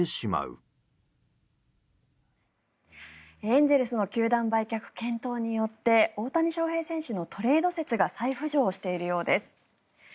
エンゼルスの球団売却検討によって大谷翔平選手のトレード説が再浮上しているようです。